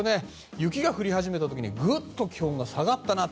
雪が降り始めた時にぐっと気温が下がったなと。